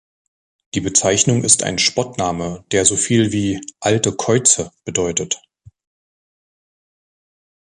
Die Bezeichnung ist ein Spottname, der so viel wie „alte Käuze“ bedeutet.